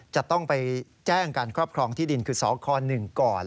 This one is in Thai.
จะต้องไปแจ้งการครอบครองที่ดินคือสค๑ก่อน